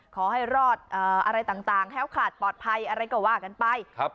ขอให้รอดอะไรต่างแค้วขาดปลอดภัยอะไรก็ว่ากันไป